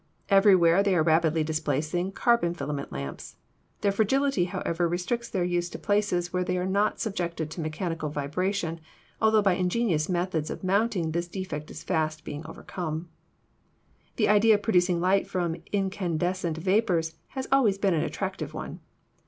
Everywhere they are rapidly displacing the carbon filament lamps. Their fragility, however, restricts their use to places where they are not subjected to mechanical vibration, altho by ingenious methods of mounting this defect is fast being overcome. The idea of producing light from incandescent vapors has always been an attractive one.